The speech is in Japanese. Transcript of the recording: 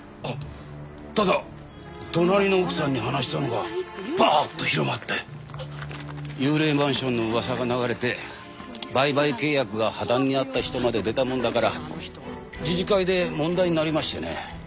ただ隣の奥さんに話したのがぱーっと広まって幽霊マンションの噂が流れて売買契約が破談になった人まで出たもんだから自治会で問題になりましてね。